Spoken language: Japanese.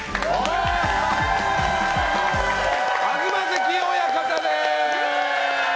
東関親方です！